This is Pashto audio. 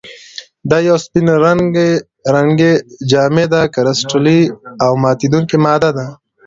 دا یوه سپین رنګې، جامده، کرسټلي او ماتیدونکې ماده ده.